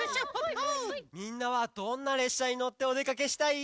みんなはどんなれっしゃにのっておでかけしたい？